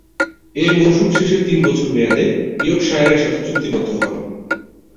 এ মৌসুম শেষে তিন বছর মেয়াদে ইয়র্কশায়ারের সাথে চুক্তিবদ্ধ হন।